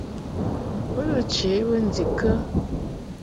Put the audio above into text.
U to che bə ndikə ?